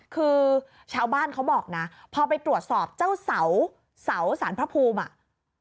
คือชาวบ้านเขาบอกนะพอไปตรวจสอบเจ้าเสาสารพระภูมิอ่ะ